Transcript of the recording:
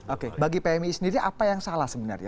oke bagi pmi sendiri apa yang salah sebenarnya